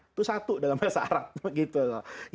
itu satu dalam bahasa arab